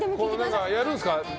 やるんですか？